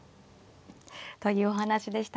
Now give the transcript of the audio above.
というお話でした。